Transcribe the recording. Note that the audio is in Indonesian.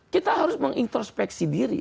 kita harus mengintrospeksi diri